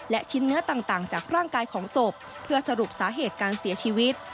และชิ้นเนื้อต่างจากร่างกายของศพเพื่อสรุปสาเหตุการเสียชีวิต